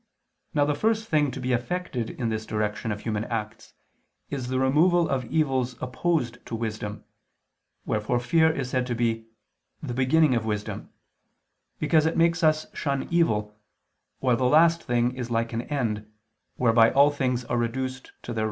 Now the first thing to be effected in this direction of human acts is the removal of evils opposed to wisdom: wherefore fear is said to be "the beginning of wisdom," because it makes us shun evil, while the last thing is like an end, whereby all things are reduced to their right order; and it is this that constitutes peace.